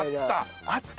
あった。